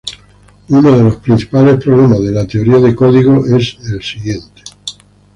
Uno de los principales problemas de la teoría de códigos es el siguiente.